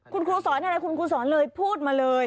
คุณครูสอนอะไรคุณครูสอนเลยพูดมาเลย